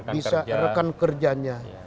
bisa rekan kerjanya